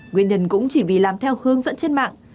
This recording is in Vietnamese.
nguyên nhân cũng chỉ vì làm theo hướng dẫn trên mạng